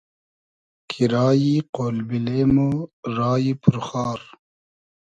کی رایی قۉل بیلې مۉ رایی پور خار